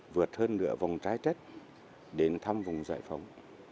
vượt hơn nửa vòng trái đất đến thăm vùng giải phóng